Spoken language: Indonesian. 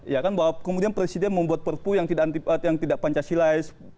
ya kan bahwa kemudian presiden membuat perpu yang tidak pancasilais